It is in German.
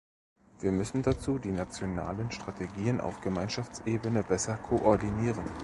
Wir müssen dazu die nationalen Strategien auf Gemeinschaftsebene besser koordinieren.